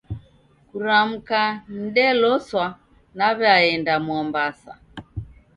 Kuramka nideloswa naw'aenda Mwambasa.